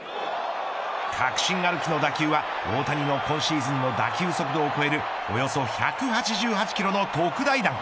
確信歩きの打球は大谷の今シーズンの打球速度を超えるおよそ１８８キロの特大弾。